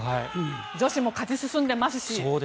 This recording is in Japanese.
女子も勝ち進んでますし。